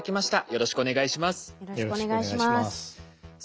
よろしくお願いします。